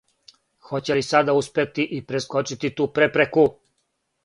Хоће ли сада успети и прескочити ту препреку?